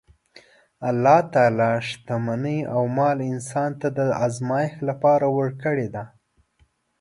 الله تعالی شتمني او مال انسان ته د ازمایښت لپاره ورکړې ده.